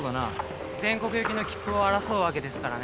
全国行きの切符を争うわけですからね。